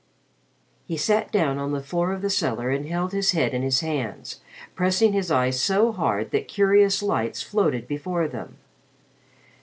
He sat down on the floor of the cellar and held his head in his hands, pressing his eyes so hard that curious lights floated before them.